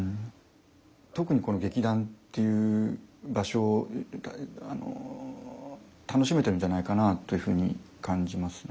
特にこの劇団という場所を楽しめてるんじゃないかなというふうに感じますね。